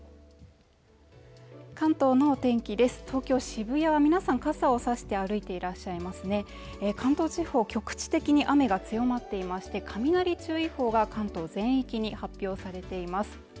渋谷は皆さん傘を差して歩いていらっしゃいますね関東地方局地的に雨が強まっていまして雷注意報が関東全域に発表されています